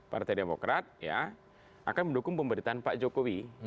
partai demokrat ya akan mendukung pemberitaan pak jokowi